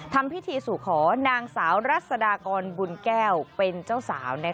ทำพิธีสู่ขอนางสาวรัศดากรบุญแก้วเป็นเจ้าสาว